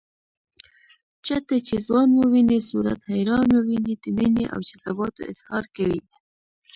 چټه چې ځوان وويني صورت حیران وويني د مینې او جذباتو اظهار کوي